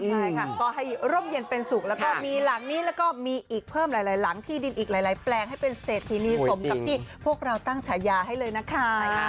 ใช่ค่ะก็ให้ร่มเย็นเป็นสุขแล้วก็มีหลังนี้แล้วก็มีอีกเพิ่มหลายหลังที่ดินอีกหลายแปลงให้เป็นเศรษฐีนีสมกับที่พวกเราตั้งฉายาให้เลยนะคะ